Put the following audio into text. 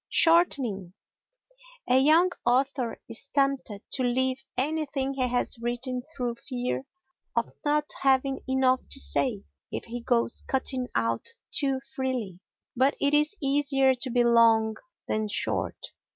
Shortening A young author is tempted to leave anything he has written through fear of not having enough to say if he goes cutting out too freely. But it is easier to be long than short.